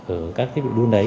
ở các thiết bị đun đấy